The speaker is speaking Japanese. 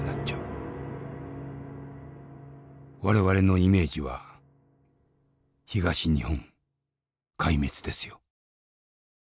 我々のイメージは東日本壊滅ですよ。